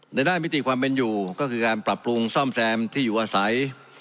ในด้านมิติความเป็นอยู่ก็คือการปรับปรุงซ่อมแซมที่อยู่อาศัย